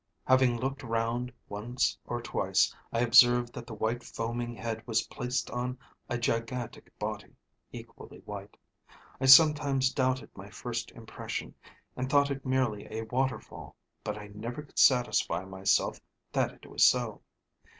Having looked round once or twice, I observed that the white foaming head was placed on a gigantic body, equally white. I sometimes doubted my first impression, and thought it merely a waterfall, but I never could satisfy myself that it was so.